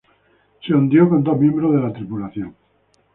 Se hundió con dos miembros de la tripulación.